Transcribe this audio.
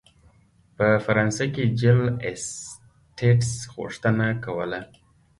په فرانسه کې جل اسټټس غوښتنه کوله.